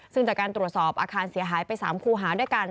ซึ่งจากการตรวจสอบอาคารเสียหายไป๓คู่หาด้วยกัน